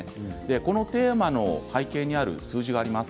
このテーマの背景にある数字があります。